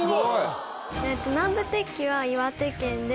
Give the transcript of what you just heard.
南部鉄器は岩手県で。